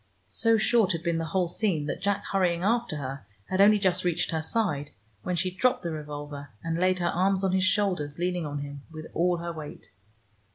So short had been the whole scene that Jack hurrying after her had only just reached her side, when she dropped the revolver, and laid her arms on his shoulders, leaning on him with all her weight.